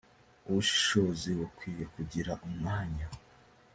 ubushishozi bukwiye kugira umwanya